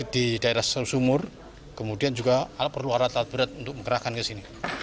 di daerah seluruh sumur kemudian juga perlu ada ratat berat untuk mengerahkan ke sini